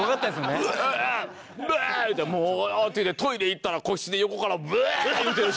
「もう」って言うてトイレ行ったら個室で横から「オェッ」言うてるし。